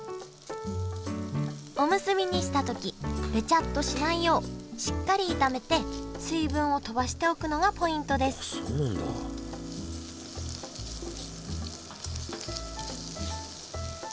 おむすびにした時ベチャッとしないようしっかり炒めて水分をとばしておくのがポイントですあっそうなんだ。